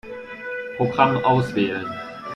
Programm auswählen.